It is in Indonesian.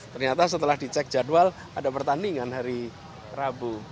ternyata setelah dicek jadwal ada pertandingan hari rabu